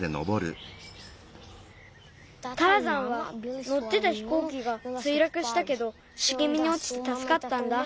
ターザンはのってたひこうきがついらくしたけどしげみにおちてたすかったんだ。